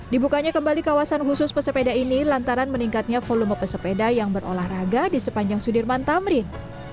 dibukanya kembali kawasan khusus pesepeda ini lantaran meningkatnya volume pesepeda yang berolahraga di sepanjang sudirman tamrin